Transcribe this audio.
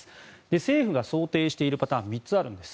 政府が想定しているパターン３つあるんです。